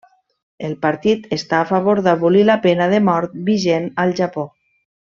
El partit està a favor d'abolir la pena de mort, vigent al Japó.